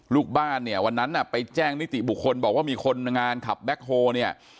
ลูกบ้านเนี่ยวันนั้นไปแจ้งนิติบุคคลบอกว่ามีคนงานขับแบ็คโฮเนี่ย